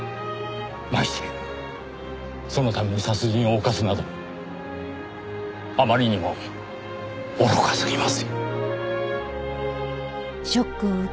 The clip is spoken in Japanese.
ましてやそのために殺人を犯すなどあまりにも愚かすぎます。